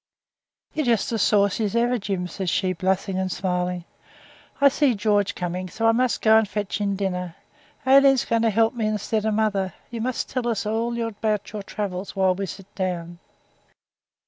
'You're just as saucy as ever, Jim,' says she, blushing and smiling. 'I see George coming, so I must go and fetch in dinner. Aileen's going to help me instead of mother. You must tell us all about your travels when we sit down.'